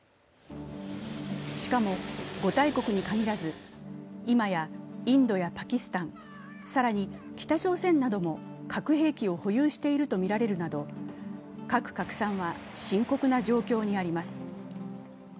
しかも、５大国に限らず、今やインドやパキスタン、更に北朝鮮なども核兵器を保有しているとみられるなど、核拡散は深刻な状況にあります。